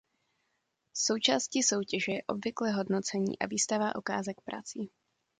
Součástí soutěže je obvykle hodnocení a výstava ukázek prací.